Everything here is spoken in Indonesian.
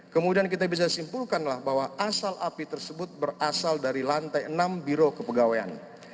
kemudian kita bisa simpulkanlah bahwa asal api tersebut berasal dari lantai enam biro kepegawaian